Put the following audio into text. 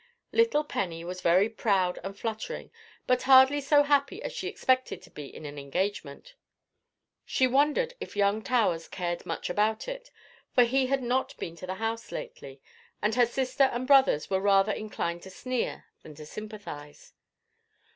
Little Penny was very proud and fluttering, but hardly so happy as she expected to be in an engagement. She wondered if young Towers cared much about it, for he had not been to the house lately, and her sister and brothers were rather inclined to sneer than to sympathize.